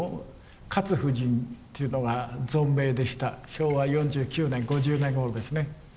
昭和４９年５０年ごろですね。